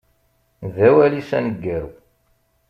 D awal-is aneggaru.